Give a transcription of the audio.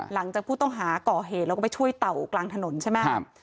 หลังจากผู้ต้องหาก่อเหตุแล้วก็ไปช่วยเต่ากลางถนนใช่ไหมครับ